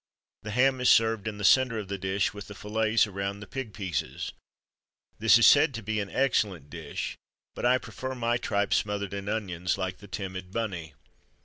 The ham is served in the centre of the dish, with the fillets around the pig pieces. This is said to be an excellent dish, but I prefer my tripe smothered in onions, like the timid "bunny."